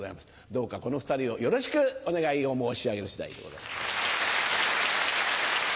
どうかこの２人をよろしくお願いを申し上げる次第でございます。